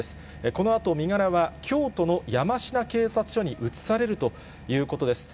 このあと身柄は、京都の山科警察署に移されるということです。